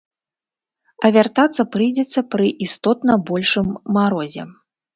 А вяртацца прыйдзецца пры істотна большым марозе.